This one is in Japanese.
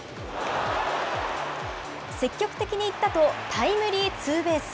積極的にいったとタイムリーツーベース。